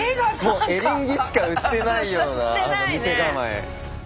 もうエリンギしか売ってないような店構え。